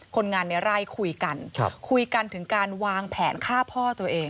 คนงานในไร่คุยกันคุยกันถึงการวางแผนฆ่าพ่อตัวเอง